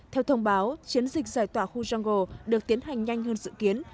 theo thông báo chiến dịch giải tỏa khu gengo được tiến hành nhanh hơn dự kiến